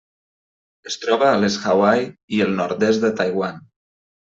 Es troba a les Hawaii i el nord-est de Taiwan.